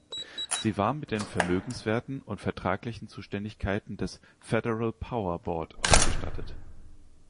Sie war mit den Vermögenswerten und vertraglichen Zuständigkeiten des "Federal Power Board" ausgestattet.